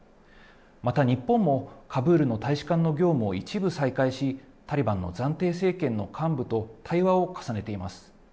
また日本もカブールの大使館の業務を一部再開し、タリバンの暫定政権の幹部と対話を重ねています。